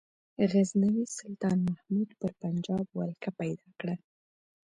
غزنوي سلطان محمود پر پنجاب ولکه پیدا کړه.